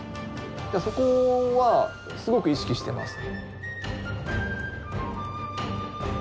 そこはすごく意識してます。